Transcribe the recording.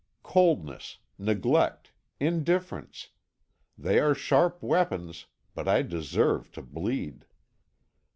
Coldness, neglect, indifference they are sharp weapons, but I deserve to bleed.